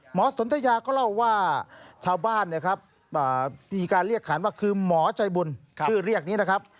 หมอสนทะยาก็เล่าว่าชาวบ้านมีการเรียกขาดว่าคือหมอชัยบุญชื่อเรียกนี้นะครับ